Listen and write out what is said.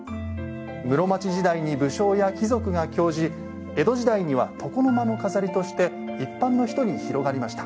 室町時代に武将や貴族などが興じ江戸時代には床の間の飾りとして一般の人に広がりました。